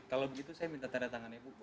kalau begitu saya minta tanda tangan ibu